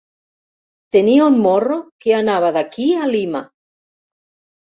Tenia un morro que anava d'aquí a Lima!